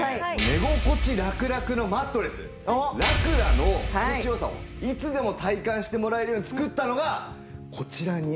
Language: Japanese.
寝心地ラクラクのマットレスラクラの心地良さをいつでも体感してもらえるように作ったのが。